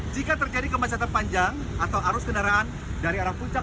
jika terjadi kemacetan panjang atau arus kendaraan dari arah puncak